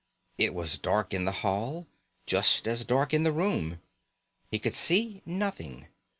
It was dark in the hall, just as dark in the room. He could see nothing.